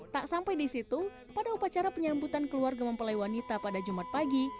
tak sampai di situ pada upacara penyambutan keluarga mempelai wanita pada jumat pagi